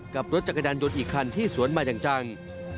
กับรถจักรยานยนต์อีกคันที่สวนมาอย่างจัง